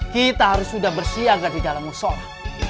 kita harus sudah bersiaga di dalam musolah